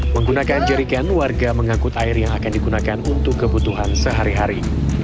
menggunakan jerikan warga mengangkut air yang akan digunakan untuk kebutuhan sehari hari